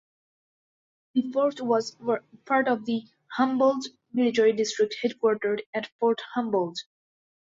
The fort was part of the Humboldt Military District headquartered at Fort Humboldt.